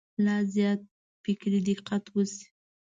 لا زیات فکري دقت وشي.